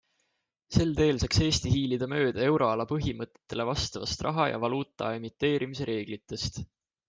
Sel teel saaks Eesti hiilida mööda euroala põhimõtetele vastavast raha ja valuuta emiteerimise reeglitest.